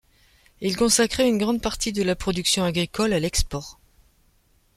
Il consacrait une grande partie de la production agricole à l'export.